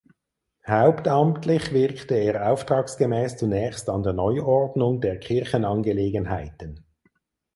Hauptamtlich wirkte er auftragsgemäß zunächst an der Neuordnung der Kirchenangelegenheiten.